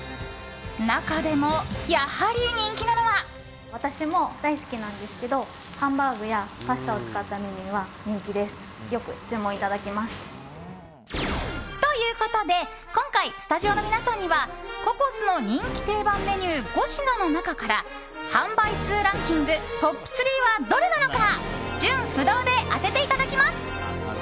中でも、やはり人気なのは。ということで今回、スタジオの皆さんにはココスの人気定番メニュー５品の中から販売数ランキングトップ３はどれなのか順不同で当てていただきます。